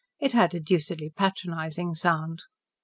It had a deucedly patronising sound."